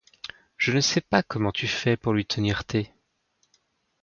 Je ne sais pas comment tu fais pour lui tenir t